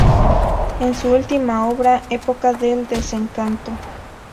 En su última obra, "Época del desencanto.